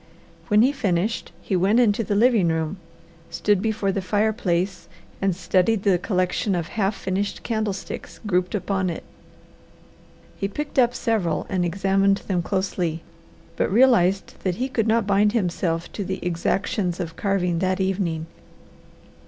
When he finished he went into the living room, stood before the fireplace, and studied the collection of half finished candlesticks grouped upon it. He picked up several and examined them closely, but realized that he could not bind himself to the exactions of carving that evening.